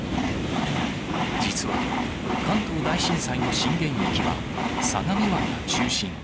実は、関東大震災の震源域は、相模湾が中心。